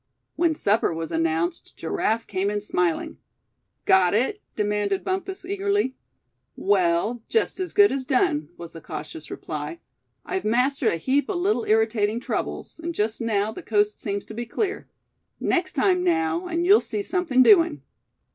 When supper was announced Giraffe came in smiling. "Got it?" demanded Bumpus, eagerly. "Well, just as good as done," was the cautious reply. "I've mastered a heap of little irritating troubles; and just now the coast seems to be clear. Next time, now, and you'll see something doing."